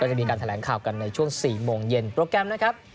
จะมีการแถลงข่าวกันในช่วง๔โมงเย็นโปรแกรมนะครับ